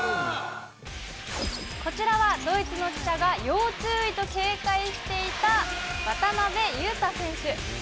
こちらはドイツの記者が、要注意と警戒していた渡邊雄太選手。